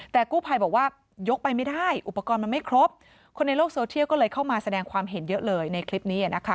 แต่กู้ภัยบอกว่ายกไปไม่ได้อุปกรณ์มันไม่ครบคนในโลกโซเชียลก็เลยเข้ามาแสดงความเห็นเยอะเลยในคลิปนี้นะคะ